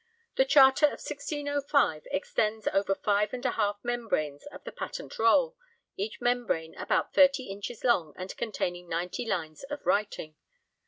The Charter of 1605 extends over five and a half membranes of the Patent Roll, each membrane about 30 inches long and containing 90 lines of writing.